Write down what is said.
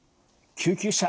「救急車！